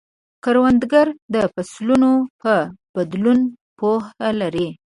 کروندګر د فصلونو په بدلون پوهه لري